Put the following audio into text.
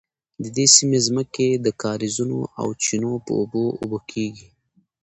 د دې سیمې ځمکې د کاریزونو او چینو په اوبو اوبه کیږي.